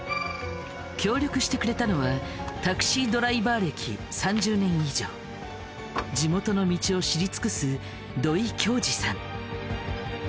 協力してくれたのはタクシードライバー歴３０年以上地元の道を知り尽くす土居恭司さん。